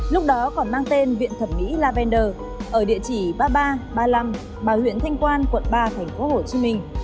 lúc đó còn mang tên viện thẩm mỹ lavender ở địa chỉ ba nghìn ba trăm ba mươi năm bà huyện thanh quan quận ba tp hcm